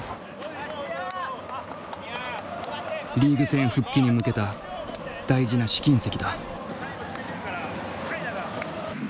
リーグ戦復帰に向けた大事な試金石だ。